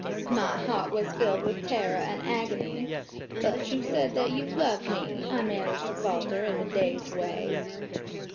My heart was filled with terror and agony. 'But you said that you loved me.' I managed to falter in a dazed way.